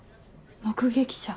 目撃者。